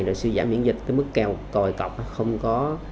rồi sư giả miễn dịch tới mức còi cọc